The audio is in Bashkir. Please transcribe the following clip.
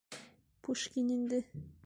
Пушкин инде.